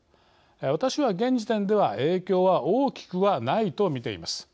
私は、現時点では影響は大きくはないと見ています。